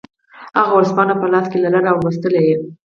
هغه ورځپاڼه په لاس کې لرله او لوستله یې